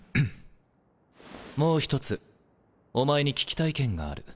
もう一つお前に聞きたい件がある。